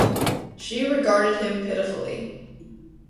She regarded him pitifully.